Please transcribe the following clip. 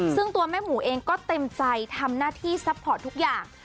ซึ่งตัวแม่หมูเองก็เต็มใจทำหน้าที่ซัพพอร์ตทุกอย่าง